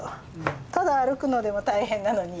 ただ歩くのでも大変なのに。